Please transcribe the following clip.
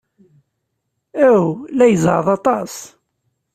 Aw, la izeɛɛeḍ aṭas!